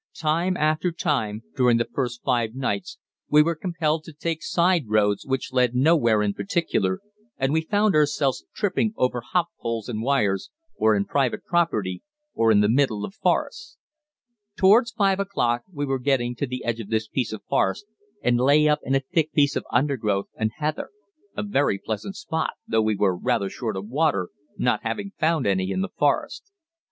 Time after time during the first five nights we were compelled to take side roads which led nowhere in particular, and we found ourselves tripping over hop poles and wires, or in private property, or in the middle of forests. Towards 5 o'clock we were getting to the edge of this piece of forest, and lay up in a thick piece of undergrowth, and heather a very pleasant spot, though we were rather short of water, not having found any in the forest.